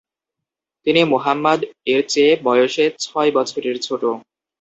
তিনি মুহাম্মাদ এর চেয়ে বয়সে ছয় বছরের ছোট।